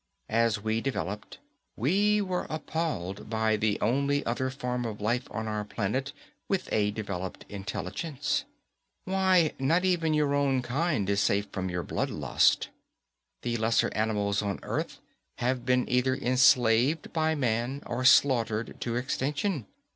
As we developed, we were appalled by the only other form of life on our planet with a developed intelligence. Why, not even your own kind is safe from your bloodlust. The lesser animals on Earth have been either enslaved by man or slaughtered to extinction.